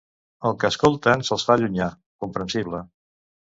El que escolten se'ls fa llunyà, comprensible.